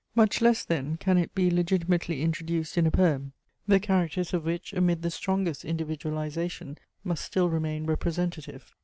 Much less then can it be legitimately introduced in a poem, the characters of which, amid the strongest individualization, must still remain representative.